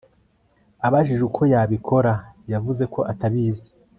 Abajijwe uko yabikora yavuze ko atabizi